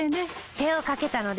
手をかけたので。